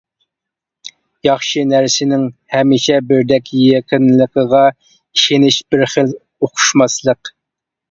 ياخشى نەرسىنىڭ ھەمىشە بىردەك يېقىنلىقىغا ئىشىنىش بىر خىل ئۇقۇشماسلىق.